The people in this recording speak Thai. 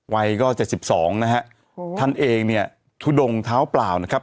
วัยก็เจ็ดสิบสองนะฮะท่านเองเนี่ยทุดงเท้าเปล่านะครับ